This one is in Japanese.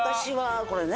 これね。